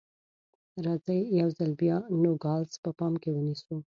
راځئ یو ځل بیا نوګالس په پام کې ونیسو.